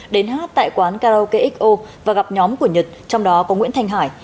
đến hát tại quán karaoke xo và gặp nhóm của nhật trong đó có nguyễn thanh hải